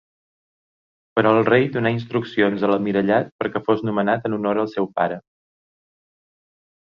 Però el rei donà instruccions a l'almirallat perquè fos nomenat en honor al seu pare.